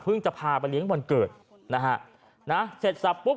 จะพาไปเลี้ยงวันเกิดนะฮะนะเสร็จสับปุ๊บ